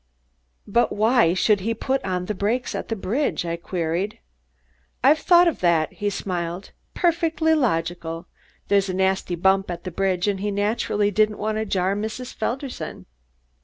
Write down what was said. "But why should he put on his brakes at the bridge?" I queried. "I've thought of that," he smiled. "Perfectly logical. There's a nasty bump at the bridge and he naturally didn't want to jar Mrs. Felderson."